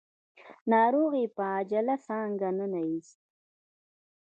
ناروغ يې په عاجله څانګه ننوېست.